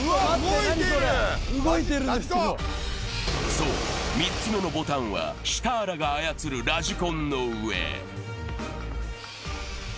そう、３つ目のボタンはシターラが操るラジコンの上。